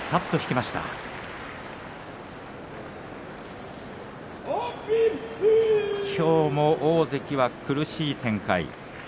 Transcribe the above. きょうも大関は苦しい展開です。